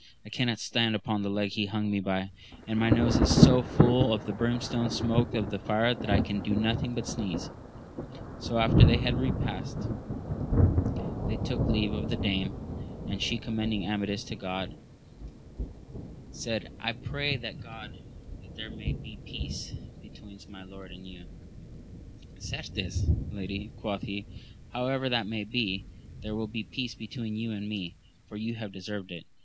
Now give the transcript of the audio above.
I cannot stand upon the leg he hung me by, and my nose is so full of the brimstone smoke of that fire that I can do nothing but sneeze. So after they had repasted they took leave of the dame, and abe commending AmadAa to Cj^o^l ^a^^^ \^. 126 AMAJDIS OF GAUL. pray God that there may be peace between my lord and you ! Certes, lady, quoth he, however that may be, there will be peace between you and me, for you have deserved it.